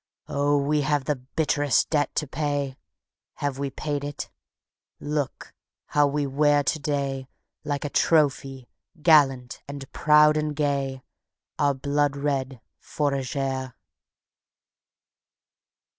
Oh, we have the bitterest debt to pay. ... Have we paid it? Look how we wear to day Like a trophy, gallant and proud and gay, Our blood red Fourragère.